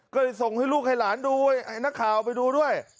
ก็เลยส่งให้ลูกให้หลานดูให้นักข่าวไปดูด้วย